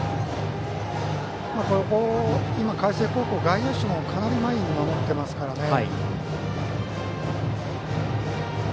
今、海星高校の外野手はかなり前に守ってますからね。